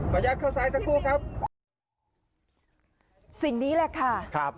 ขออนุญาตเข้าสายสักครู่ครับสิ่งนี้แหละค่ะครับ